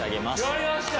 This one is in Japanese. やりました。